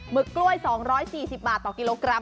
ึกกล้วย๒๔๐บาทต่อกิโลกรัม